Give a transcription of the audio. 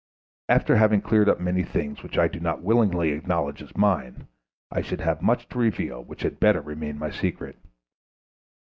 After having cleared up many things which I do not willingly acknowledge as mine, I should have much to reveal which had better remain my secret.